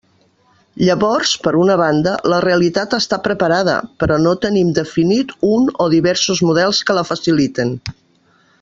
Llavors, per una banda, la realitat està preparada, però no tenim definit un o diversos models que la faciliten.